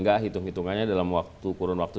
nggak hitung hitungannya dalam kurun waktu